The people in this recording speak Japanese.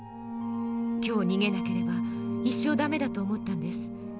今日逃げなければ一生駄目だと思ったんです。